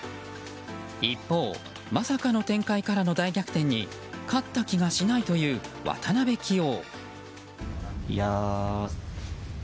一方、まさかの展開からの大逆転に勝った気がしないという渡辺棋王。